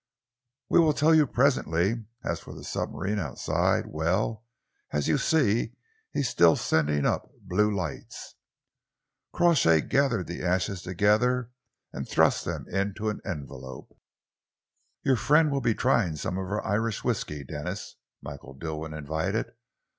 "We will tell you presently. As for the submarine outside, well, as you see, he is still sending up blue lights." Crawshay gathered the ashes together and thrust them into an envelope. "Your friend will be trying some of our Irish whisky, Denis," Michael Dilwyn invited.